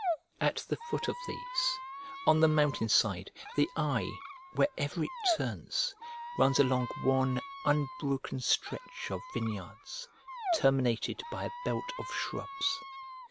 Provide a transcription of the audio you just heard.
At the foot of these, on the mountain side, the eye, wherever it turns, runs along one unbroken stretch of vineyards terminated by a belt of shrubs.